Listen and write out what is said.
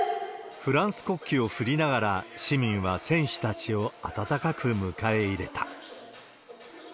フランス国旗を振りながら、市民は選手たちを温かく迎え入れた。